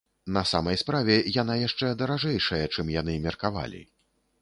На самай справе, яна яшчэ даражэйшая, чым яны меркавалі.